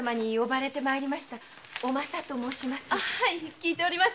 聞いております。